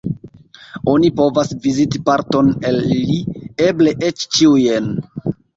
Oni povas viziti parton el ili, eble eĉ ĉiujn.